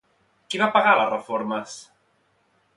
Qui va pagar les reformes?